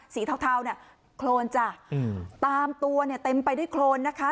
สีเทาโครนจ้ะตามตัวเต็มไปด้วยโครนนะคะ